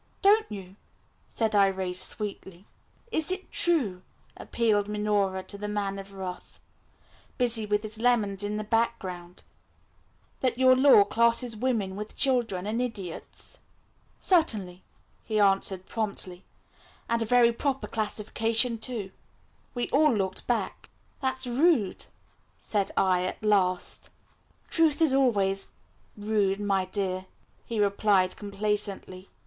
"Don't you?" said Irais sweetly. "Is it true," appealed Minora to the Man of Wrath, busy with his lemons in the background, "that your law classes women with children and idiots?" "Certainly," he answered promptly, "and a very proper classification, too." We all looked blank. "That's rude," said I at last. "Truth is always rude, my dear," he replied complacently.